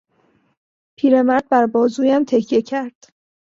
پیرمرد بر بازویم تکیه کرد.